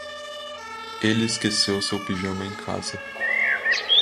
Ele esqueceu seu pijama em casa.